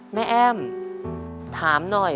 แม่แอ้มถามหน่อยนะครับ